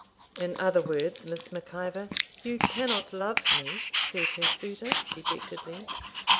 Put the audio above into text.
'In other words, Miss Mac Ivor, you cannot love me?' said her suitor dejectedly.